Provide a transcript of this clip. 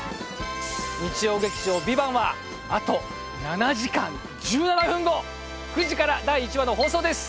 日曜劇場「ＶＩＶＡＮＴ」はあと７時間１７分後９時から第１話の放送です